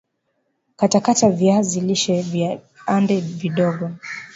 katakata viazi lishe viande vidogo